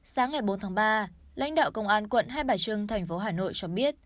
sáng ngày bốn tháng ba lãnh đạo công an quận hai bà trưng thành phố hà nội cho biết